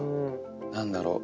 何だろう